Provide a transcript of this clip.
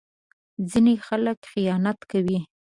ځینې خلک خیانت کوي.